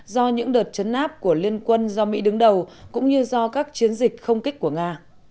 do những đợt chấn áp của liên quân do mỹ đứng đầu cũng như do các chiến dịch không kích của nga